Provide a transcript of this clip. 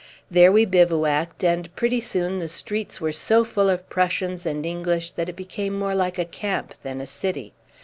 There we bivouacked, and pretty soon the streets were so full of Prussians and English that it became more like a camp than a city.